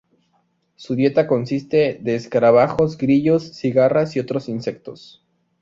Su dieta consiste de escarabajos, grillos, cigarras y otros insectos.